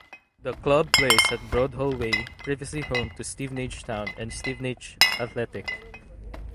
The club plays at Broadhall Way, previously home to Stevenage Town and Stevenage Athletic.